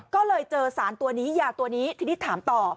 ก็เลยเจอสารตัวนี้ยาตัวนี้ทีนี้ถามต่อ